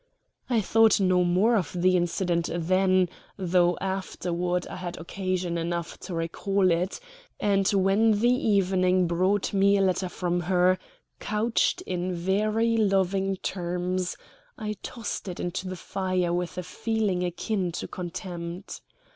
I thought no more of the incident then though afterward I had occasion enough to recall it; and when the evening brought me a letter from her, couched in very loving terms, I tossed it into the fire with a feeling akin to contempt.